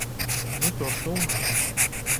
Не то што ў нас.